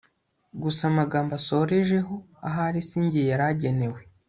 Gusa amagambo usorejeho ahari sinjye yari agenewe